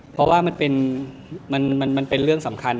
เพราะว่ามันเป็นเรื่องสำคัญ